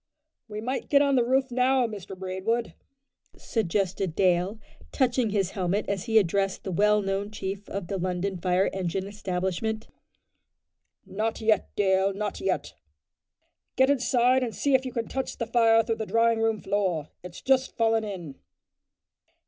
"We might get on the roof now, Mr Braidwood," suggested Dale, touching his helmet as he addressed the well known chief of the London Fire Engine Establishment. "Not yet, Dale, not yet," said Braidwood; "get inside and see if you can touch the fire through the drawing room floor. It's just fallen in."